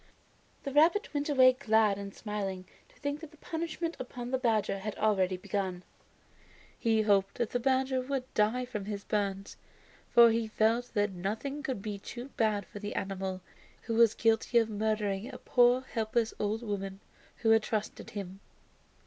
The rabbit went away glad and smiling to think that the punishment upon the badger had already begun. He hoped that the badger would die of his burns, for he felt that nothing could be too bad for the animal, who was guilty of murdering a poor helpless old woman who had trusted him.